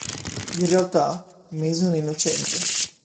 In realtà, Mason è innocente.